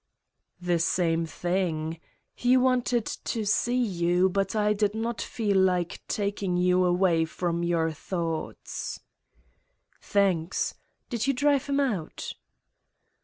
' The same thing. He wanted to see you but I did not feel like taking you away from your thoughts." "Thanks. Did you drive him out?"